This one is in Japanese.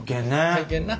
石けんな。